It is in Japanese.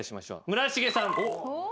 村重さん。